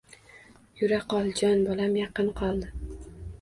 Yura qol, jon bolam, yaqin qoldi.